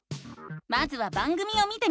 まずは番組を見てみよう！